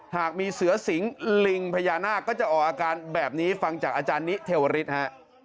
หากมีเสือสิงลิงพญานาคก็จะออกอาการแบบนี้ฟังจากอาจารย์นิเทวริสฮะ